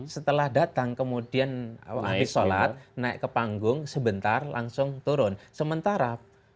setelah datang kemudian habis sholat naik ke panggung sebentar langsung turun sementara dua ratus dua belas